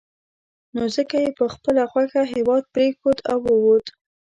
نو ځکه یې په خپله خوښه هېواد پرېښود او ووت.